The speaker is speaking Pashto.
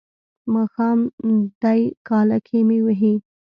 ماښام دی کاله کې مې وهي.